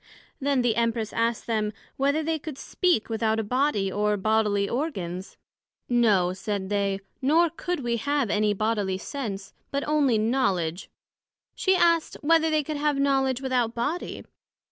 Then the Empress asked them, Whether they could speak without a body, or bodily organs? No, said they; nor could we have any bodily sense, but onely knowledg. she asked, Whether they could have Knowledg without Body?